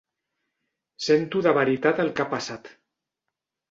Sento de veritat el que ha passat.